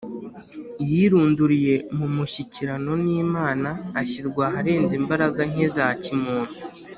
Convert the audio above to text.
. Yirunduriye mu mushyikirano n’Imana, ashyirwa aharenze imbaraga nke za kimuntu